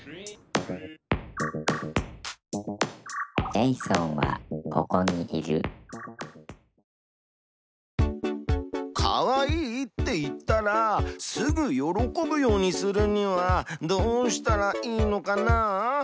ジェイソンはココにいる「可愛い」って言ったらすぐ喜ぶようにするにはどうしたらいいのかな？